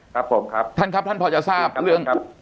ครับผมครับท่านครับท่านพอจะทราบเรื่องครับ